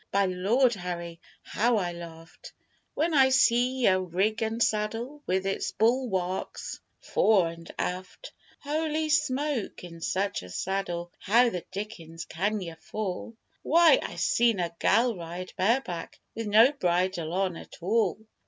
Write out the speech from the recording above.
By Lord Harry, how I laughed When I seen yer rig and saddle with its bulwarks fore and aft; Holy smoke! In such a saddle how the dickens can yer fall? Why, I seen a gal ride bareback with no bridle on at all!